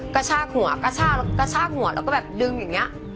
กระชากหัวกระชากกระชากหัวแล้วก็แบบดึงอย่างนี้